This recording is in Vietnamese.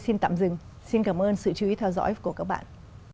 xin tạm dừng xin cảm ơn sự chú ý theo dõi của các bạn